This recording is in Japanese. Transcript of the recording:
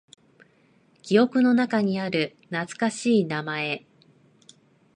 記憶の中にある懐かしい名前。